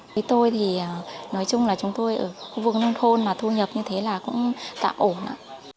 với tôi thì nói chung là chúng tôi ở khu vực nông thôn mà thu nhập như thế là cũng tạm ổn ạ